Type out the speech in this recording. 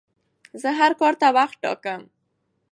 زه هر کار ته وخت ټاکم.